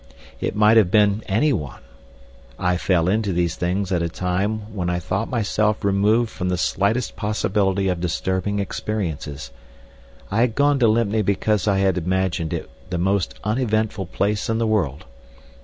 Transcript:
It might have been any one. I fell into these things at a time when I thought myself removed from the slightest possibility of disturbing experiences. I had gone to Lympne because I had imagined it the most uneventful place in the world.